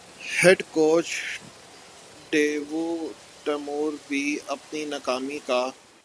head coach Dav Whatmore بھی اپنی ناکامی کا